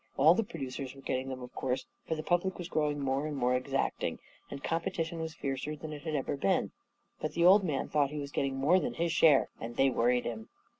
All the producers were getting them, of course, for the public was growing more and more exacting, and competition was fiercer than it had ever been; but the old man thought he was getting more than his .share, and they worried him.